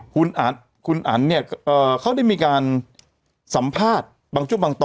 คุณอันเนี่ยเขาได้มีการสัมภาษณ์บางช่วงบางตอน